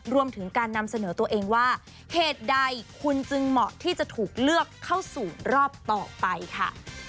รวมถึงการนำเสนอตัวเองว่าเหตุใดคุณจึงเหมาะที่จะถูกเลือกเข้าสู่รอบต่อไปค่ะ